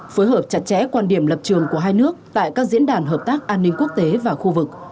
phối hợp chặt chẽ quan điểm lập trường của hai nước tại các diễn đàn hợp tác an ninh quốc tế và khu vực